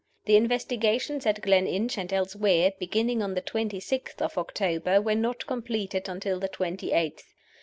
The investigations at Gleninch and elsewhere, beginning on the twenty sixth of October, were not completed until the twenty eighth.